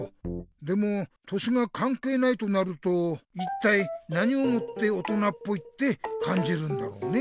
でも年がかんけいないとなると一体何をもって「大人っぽい」ってかんじるんだろうね？